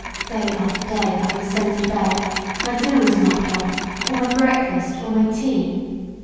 Day after day I was sent to bed, my dinner was knocked off, or my breakfast, or my tea.